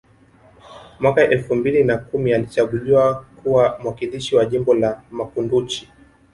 Mwaka elfu mbili na kumi alichaguliwa kuwa mwakilishi wa jimbo la Makunduchi